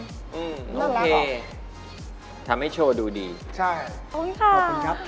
นั่นแหละหรอโอเคทำให้โชว์ดูดีใช่ขอบคุณครับ